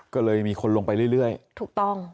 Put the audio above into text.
ก็เลยมีคนลงไปเรื่อยถูกต้อง